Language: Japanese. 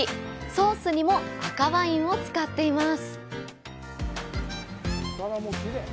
ソースにも赤ワインを使っています。